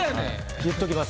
言っときます。